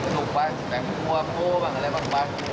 สุขปะแต่งผัวเต้าบังคันอะไรปัง